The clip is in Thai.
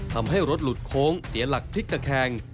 ทำให้รถหลุดโค้งเสียหลักพลิกตะแคง